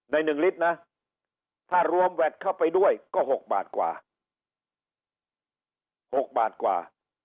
ใน๑ลิตรนะถ้ารวมแวดเข้าไปด้วยก็๖บาทกว่า๖บาทกว่า